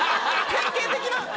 典型的な。